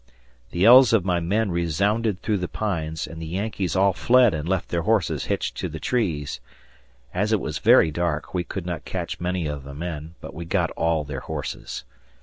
The yells of my men resounded through the pines, and the Yankees all fled and left their horses hitched to the trees. As it was very dark, we could not catch many of the men, but we got all their horses.